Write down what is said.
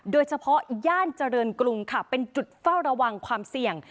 ย่านเจริญกรุงค่ะเป็นจุดเฝ้าระวังความเสี่ยง